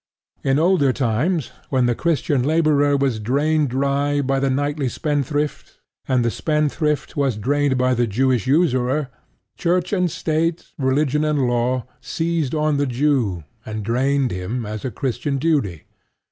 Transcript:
In older times, when the Christian laborer was drained dry by the knightly spendthrift, and the spendthrift was drained by the Jewish usurer, Church and State, religion and law, seized on the Jew and drained him as a Christian duty.